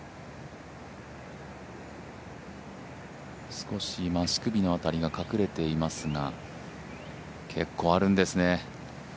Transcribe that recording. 少し足首の辺りが隠れていますが、結構あるんですね。